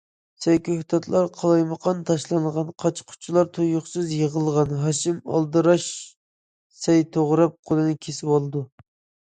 سەي- كۆكتاتلار قالايمىقان تاشلانغان، قاچا- قۇچىلار يۇيۇقسىز يىغىلغان، ھاشىم ئالدىراش سەي توغراپ قولىنى كېسىۋالىدۇ.